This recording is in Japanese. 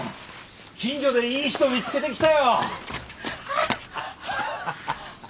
近所でいい人を見つけてきたよ！